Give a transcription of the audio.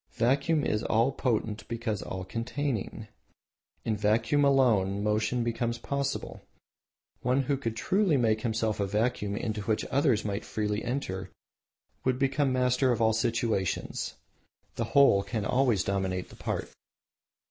Vacuum is all potent because all containing. In vacuum alone motion becomes possible. One who could make of himself a vacuum into which others might freely enter would become master of all situations. The whole can always dominate the part.